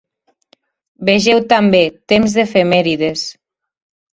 Vegeu també Temps d'efemèrides.